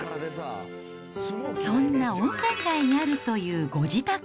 そんな温泉街にあるというご自宅。